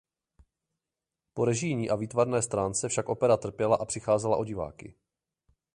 Po režijní a výtvarné stránce však opera trpěla a přicházela o diváky.